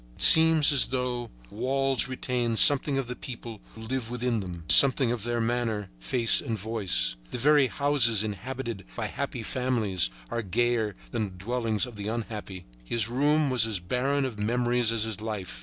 It seems as though walls retain something of the people who live within them, something of their manner, face and voice. The very houses inhabited by happy families are gayer than the dwellings of the unhappy. His room was as barren of memories as his life.